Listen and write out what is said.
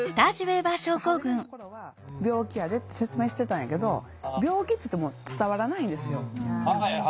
初めの頃は病気やでって説明してたんやけど病気って言っても伝わらないんですよ。